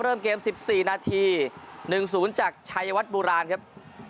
เริ่มเกมสิบสี่นาทีหนึ่งศูนย์จากชายวัดบุราณครับ